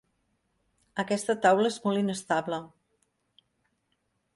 Aquesta taula és molt inestable.